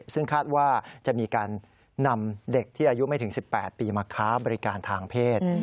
ซึ่งคาดว่าจะมีการนำเด็กที่อายุไม่ถึง๑๘ปีมาค้าบริการทางเพศ